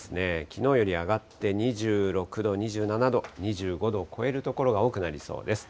きのうより上がって２６度、２７度、２５度を超える所が多くなりそうです。